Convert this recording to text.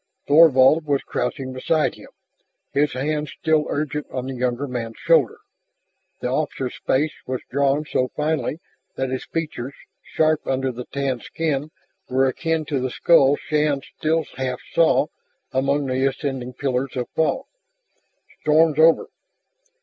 Thorvald was crouched beside him, his hand still urgent on the younger man's shoulder. The officer's face was drawn so finely that his features, sharp under the tanned skin, were akin to the skull Shann still half saw among the ascending pillars of fog. "Storm's over."